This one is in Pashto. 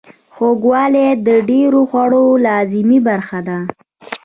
خوږوالی د ډیرو خوړو لازمي برخه ده.